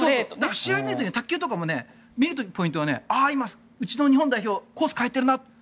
試合を見ると卓球なんかも見る時のポイントはうちの日本代表コースを変えているなと。